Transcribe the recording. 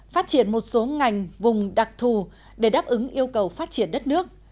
phát triển một số ngành vùng đặc thù để đáp ứng yêu cầu phát triển đất nước